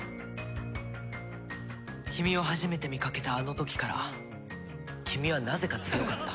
君を初めて見かけたあの時から君はなぜか強かった。